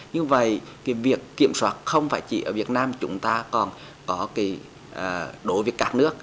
như vậy việc kiểm soát không phải chỉ ở việt nam chúng ta còn có đối với các nước